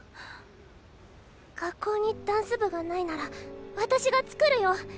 学校にダンス部がないなら私が作るよ。